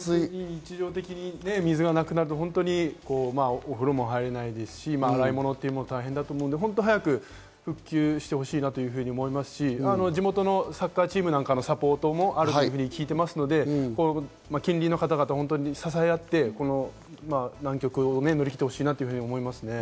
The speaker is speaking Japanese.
日常的に水がなくなると、お風呂も入れないですし、洗い物も大変だと思うので、早く復旧してほしいなと思いますし、地元のサッカーチームのサポーターからも聞いてますと、近隣の方々が支えあって、難局を乗り切ってほしいなと思いますね。